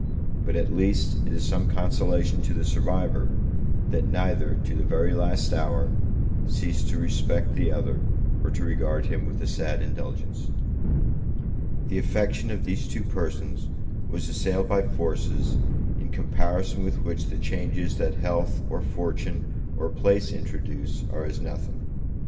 But, at least, it is some consolation to the survivor, that neither, to the very last hour, ceased to respect the other, or to regard him with a sad indulgence. The affection of these two persons was assailed by forces in comparison with which the changes that health or fortune or place introduce are as nothing.